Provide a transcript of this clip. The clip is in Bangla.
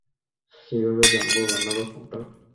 কিভাবে জানবো রান্নাঘর কোনটা?